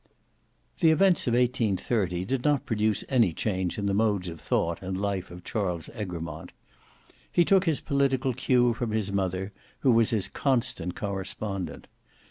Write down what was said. The events of 1830 did not produce any change in the modes of thought and life of Charles Egremont. He took his political cue from his mother, who was his constant correspondent.